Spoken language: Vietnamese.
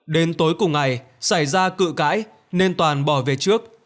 đến tối cùng ngày xảy ra cự cãi nên toàn bỏ về trước